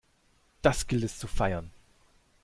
Das gilt es zu feiern!